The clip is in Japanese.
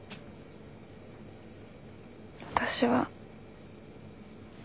私は。